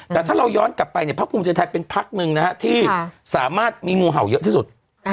แต่ถ้าเราย้อนกลับไปเนี่ยพักภูมิใจไทยเป็นพักหนึ่งนะฮะที่สามารถมีงูเห่าเยอะที่สุด